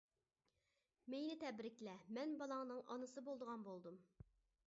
مېنى تەبرىكلە، مەن بالاڭنىڭ ئانىسى بولىدىغان بولدۇم.